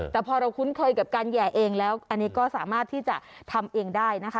แต่พอเราคุ้นเคยกับการแห่เองแล้วอันนี้ก็สามารถที่จะทำเองได้นะคะ